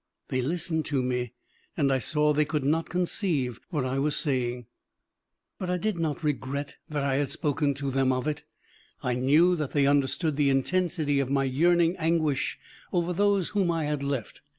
They listened to me, and I saw they could not conceive what I was saying, but I did not regret that I had spoken to them of it: I knew that they understood the intensity of my yearning anguish over those whom I had left.